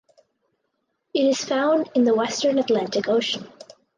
It is found in the western Atlantic Ocean.